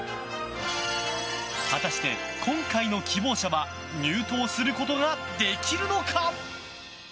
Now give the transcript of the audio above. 果たして、今回の希望者は入党することができるのか？